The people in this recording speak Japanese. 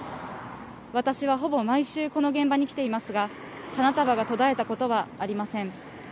私はほぼ毎週この現場に来ていますが、花束が途絶えたことはありません。